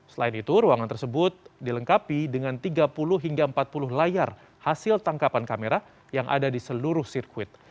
selain itu ruangan tersebut dilengkapi dengan tiga puluh hingga empat puluh layar hasil tangkapan kamera yang ada di seluruh sirkuit